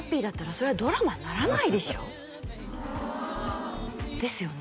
「それはドラマにならないでしょ！」ですよね？